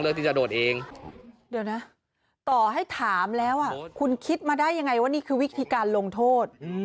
เดี๋ยวนะต่อให้ถามแล้วคุณคิดมาได้ยังไงว่านี่คือวิทยาการลงโทษ